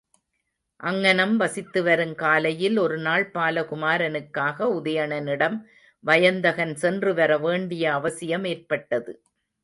அங்ஙனம் வசித்து வருங் காலையில் ஒருநாள் பாலகுமரனுக்காக உதயணனிடம் வயந்தகன் சென்று வரவேண்டிய அவசியம் ஏற்பட்டது.